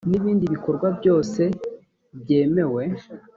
n ibindi bikorwa byose byemewe